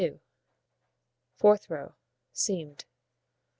Fourth row: Seamed.